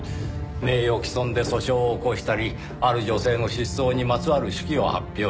名誉毀損で訴訟を起こしたりある女性の失踪にまつわる手記を発表したり。